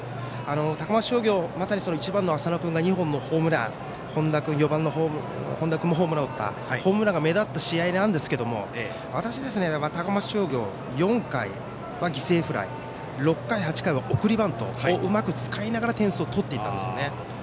高松商業、１番の浅野君が２本のホームラン４番の本田君もホームランを打ったホームランが目立った試合でしたが高松商業が４回の犠牲フライ６回、７回は送りバントをうまく使いながら点数を取っていたんですね。